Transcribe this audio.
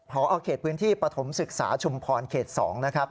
พอเขตพื้นที่ปฐมศึกษาชุมพรเขต๒นะครับ